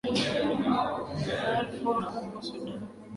Darfur huko Sudan chini ya Umoja wa AfrikaNigeria hukadiriwa kuwa